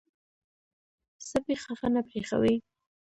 سپي خفه نه پرېښوئ.